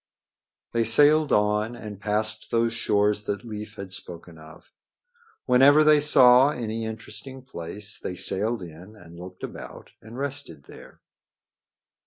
They sailed on and past those shores that Leif had spoken of. Whenever they saw any interesting place they sailed in and looked about and rested there.